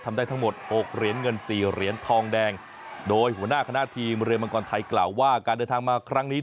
ได้ทั้งหมดหกเหรียญเงินสี่เหรียญทองแดงโดยหัวหน้าคณะทีมเรือมังกรไทยกล่าวว่าการเดินทางมาครั้งนี้